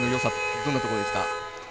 どんなところですか。